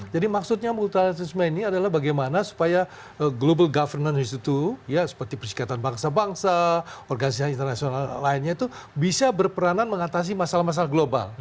jadi maksudnya multilateralisme ini adalah bagaimana supaya global governance itu ya seperti persyaratan bangsa bangsa organisasi internasional lainnya itu bisa berperanan mengatasi masalah masalah global